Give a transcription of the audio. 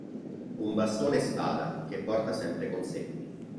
Un bastone spada che porta sempre con sé.